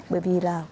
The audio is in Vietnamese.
bởi vì là